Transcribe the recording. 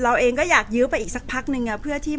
แต่ว่าสามีด้วยคือเราอยู่บ้านเดิมแต่ว่าสามีด้วยคือเราอยู่บ้านเดิม